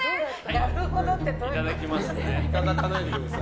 いただきますね。